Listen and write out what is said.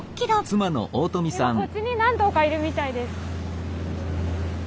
今こっちに何頭かいるみたいです。